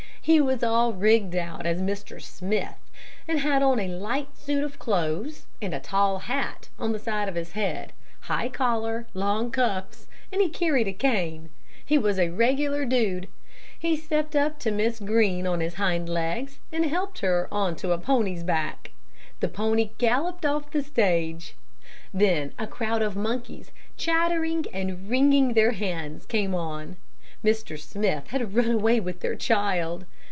He was all rigged out as Mr. Smith, and had on a light suit of clothes, and a tall hat on the side of his head, high collar, long cuffs, and he carried a cane. He was a regular dude. He stepped up to Miss Green on his hind legs, and helped her on to a pony's back. The pony galloped off the stage; then a crowd of monkeys, chattering and wringing their hands, came on. Mr. Smith had run away with their child.